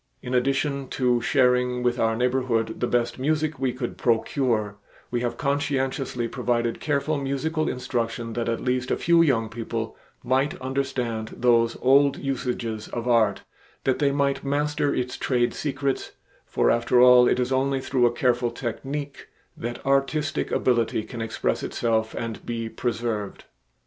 In addition to sharing with our neighborhood the best music we could procure, we have conscientiously provided careful musical instruction that at least a few young people might understand those old usages of art; that they might master its trade secrets, for after all it is only through a careful technique that artistic ability can express itself and be preserved.